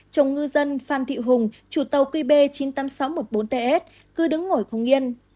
chồng ngư dân phan thị hùng chủ tàu qb chín mươi tám nghìn sáu trăm một mươi bốn ts cứ đứng ngồi không yên